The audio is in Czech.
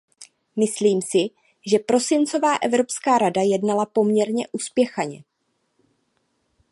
Myslím si, že prosincová Evropská rada jednala poměrně uspěchaně.